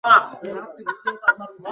একটা নমুনা দেখাই?